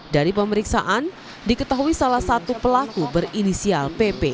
dari pemeriksaan diketahui salah satu pelaku berinisial pp